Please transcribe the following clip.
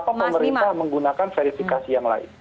kenapa pemerintah menggunakan verifikasi yang lain